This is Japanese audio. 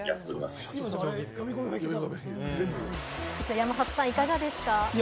山里さん、いかがですか？